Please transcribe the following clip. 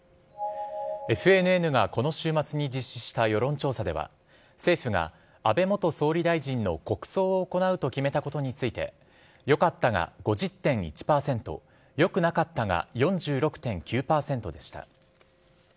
ＦＮＮがこの週末に実施した世論調査では、政府が安倍元総理大臣の国葬を行うと決めたことについて、よかったが５０．１％、よくなかったが４６．９％でした。